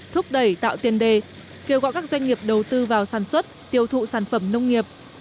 thúc đẩy tạo tiền đề kêu gọi các doanh nghiệp đầu tư vào sản xuất tiêu thụ sản phẩm nông nghiệp